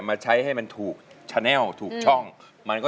มีความสามารถให้มันถูกไหม